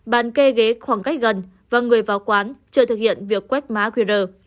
bạn kê ghế khoảng cách gần và người vào quán chưa thực hiện việc quét má quy rờ